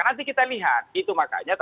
nanti kita lihat itu makanya